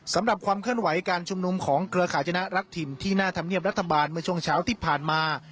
ความเคลื่อนไหวการชุมนุมของเครือข่ายชนะรักถิ่นที่หน้าธรรมเนียบรัฐบาลเมื่อช่วงเช้าที่ผ่านมา